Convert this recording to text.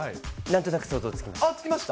なんとなく想像つきます。